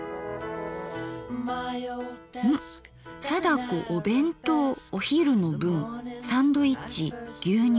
「貞子お弁当おひるの分サンドイッチ牛乳」。